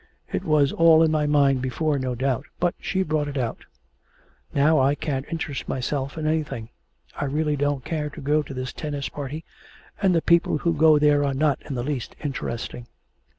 It was all in my mind before, no doubt; but she brought it out. Now I can't interest myself in anything. I really don't care to go to this tennis party, and the people who go there are not in the least interesting.